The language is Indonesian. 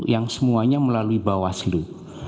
yang semuanya melalui bawah selu